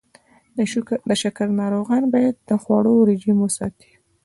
د شکر ناروغان باید د خوړو رژیم وساتي.